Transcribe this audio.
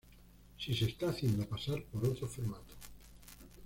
Si se está haciendo pasar por otro formato.